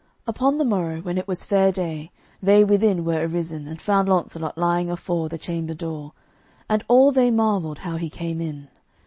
Upon the morrow, when it was fair day, they within were arisen, and found Launcelot lying afore the chamber door, and all they marvelled how he came in.